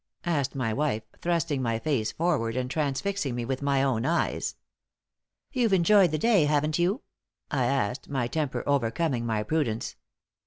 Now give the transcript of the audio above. asked my wife, thrusting my face forward, and transfixing me with my own eyes. "You've enjoyed the day, haven't you?" I asked, my temper overcoming my prudence.